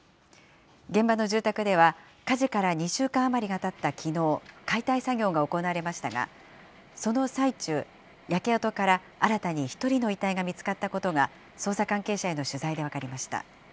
現場の住宅では、火事から２週間余りがたったきのう、解体作業が行われましたが、その最中、焼け跡から新たに１人の遺体が見つかったことが捜査関係者への取材で分かりました。